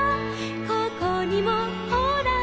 「ここにもほら」